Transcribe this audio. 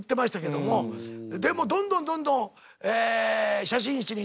でもどんどんどんどん写真誌に撮られて。